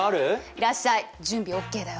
いらっしゃい！準備ＯＫだよ！